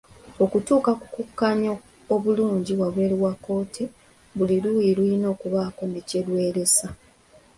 Okutuuka ku kukkaanya obulungi wabweru wa kkooti, buli luuyi lulina okubaako ne kye lweresa.